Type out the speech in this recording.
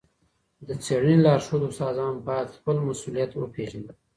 د څېړني لارښود استادان باید خپل مسؤلیت وپېژني.